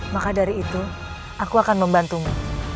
maka dari itu aku akan membantumu